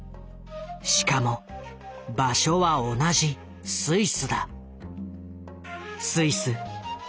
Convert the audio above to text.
しかも場所は同じスイスだ。